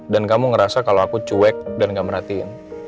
dan kamu ngerasa kalau aku cuek dan gak merhatiin